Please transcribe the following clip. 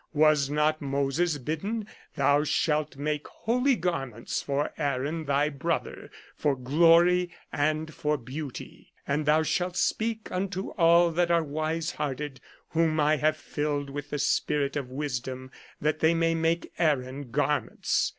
Was not Moses bidden, * Thou shalt make holy garments for Aaron thy brother, for glory and for beauty. And thou shalt speak unto all that are wise hearted, whom I have filled with the spirit of wisdom, that they may make Aaron garments.'